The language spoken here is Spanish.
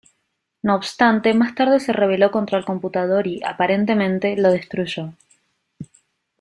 No obstante, más tarde se rebeló contra el computador y, aparentemente, lo destruyó.